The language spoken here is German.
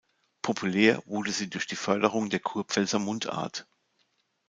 Populär wurde sie durch die Förderung der Kurpfälzer Mundart.